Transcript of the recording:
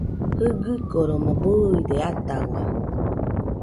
Jɨgɨkoromo bɨide atahau